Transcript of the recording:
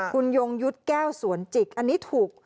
คุณยงยุทธ์แก้วสวนจิกอันนี้ถูก